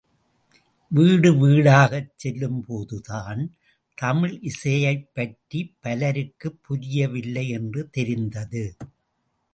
வீடு வீடாகச் செல்லும்போதுதான் தமிழிசையைப் பற்றி பலருக்கு புரியவில்லை என்று தெரிந்தது.